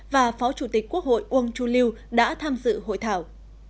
và phó chủ tịch quốc hội uông chu lưu đã tham dự hội thảo